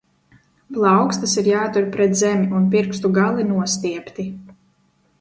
Plaukstas ir jātur pret zemi un pirkstu gali nostiepti.